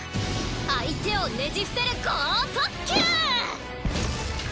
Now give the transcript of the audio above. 相手をねじ伏せる剛速球！